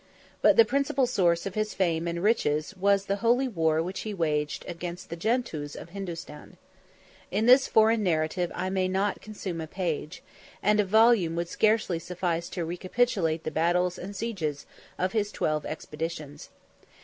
But the principal source of his fame and riches was the holy war which he waged against the Gentoos of Hindostan. In this foreign narrative I may not consume a page; and a volume would scarcely suffice to recapitulate the battles and sieges of his twelve expeditions.